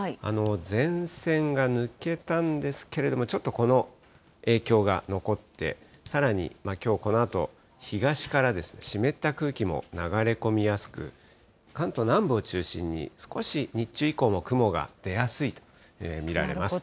前線が抜けたんですけれども、ちょっとこの影響が残って、さらにきょうこのあと、東から湿った空気も流れ込みやすく、関東南部を中心に少し日中以降も雲が出やすいと見られます。